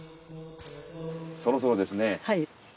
そろそろですね。